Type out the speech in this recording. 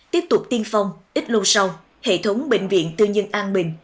tiếp tục tiên phong ít lâu sau hệ thống bệnh viện tư nhân an bình